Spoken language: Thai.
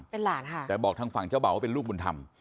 เป็นหลานค่ะแต่บอกทางฝั่งเจ้าบ่าว่าเป็นลูกบุญธรรม